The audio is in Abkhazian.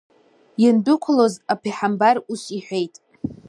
Иандәықәлоз аԥеҳамбар ус иҳәеит…